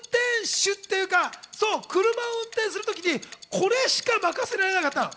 そう車を運転するときに、これしか任せられなかったの。